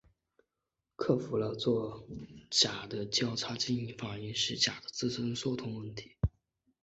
克服了做醛的交叉羟醛反应时醛的自身缩合问题。